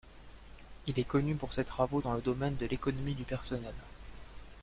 Il est connu pour ses travaux dans le domaine de l'économie du personnel.